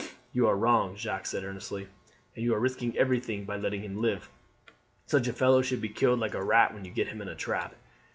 "You are wrong," Jacques said earnestly, "and you are risking everything by letting him live. Such a fellow should be killed like a rat when you get him in a trap."